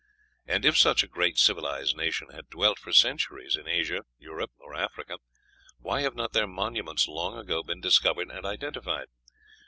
And if such a great civilized nation had dwelt for centuries in Asia, Europe, or Africa, why have not their monuments long ago been discovered and identified?